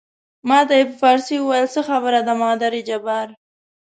ما ته یې په فارسي وویل څه خبره ده مادر جبار.